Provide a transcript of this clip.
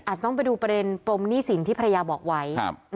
อาจจะต้องไปดูประเด็นปรมหนี้สินที่ภรรยาบอกไว้